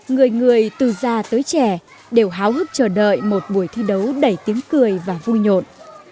người người từ già tới trẻ đều háo hức chờ đợi một buổi thi đấu đầy tiếng cười và vui nhộn